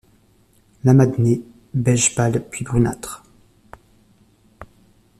Lames adnées, beige pâle puis brunâtres.